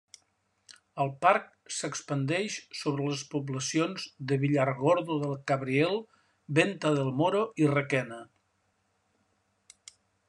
El parc s'expandeix sobre les poblacions de Villargordo del Cabriel, Venta del Moro i Requena.